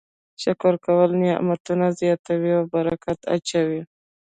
شکر کول نعمتونه زیاتوي او برکت اچوي.